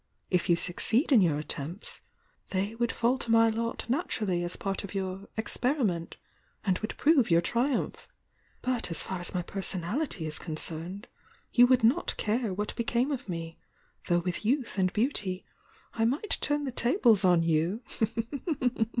If you succeed in your attempts they would fall to my lot naturally as part of your 'experiment,' and would prove your triumph. But as far as my personality is concerned, you would not care what became of me, though with youth and beauty I might turn the tables on you!"